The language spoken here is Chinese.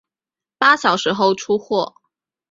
八小时后出货